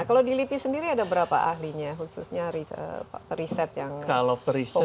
kalau di lipi sendiri ada berapa ahlinya khususnya riset yang fokus ke mahasiswa